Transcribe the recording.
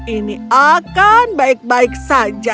ini akan baik baik saja